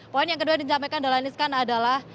poin yang kedua yang ditampilkan dahlan iskan adalah